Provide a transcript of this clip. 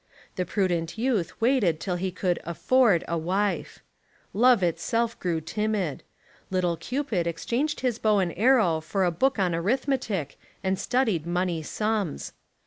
The prudent youth waited till he could "afford" a wife. Love itself grew timid. Lit tle Cupid exchanged his bow and arrow for a book ,on arithmetic and studied money sums.